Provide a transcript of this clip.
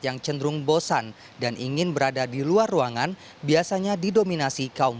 yang cenderung bosan dan ingin berada di luar ruangan biasanya didominasi kaum